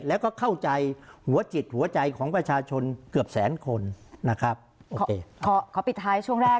และร่างประชาชนเกือบแสนคนนะครับขอขอปิดท้ายเช่นหน้า